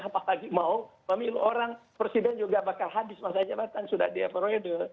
apalagi mau memilih orang presiden juga bakal habis masa jabatan sudah diaparode